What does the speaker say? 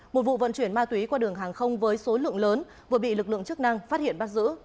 một vụ vận chuyển ma túy qua đường hàng không với số lượng lớn vừa bị lực lượng chức năng phát hiện bắt giữ